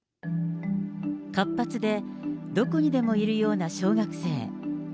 活発でどこにでもいるような小学生。